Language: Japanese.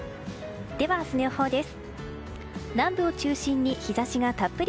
では、明日の予報です。